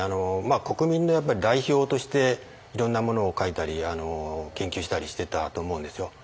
国民の代表としていろんなものを書いたり研究してたりしてたと思うんですよ。